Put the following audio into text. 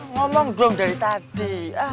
ngomong dong dari tadi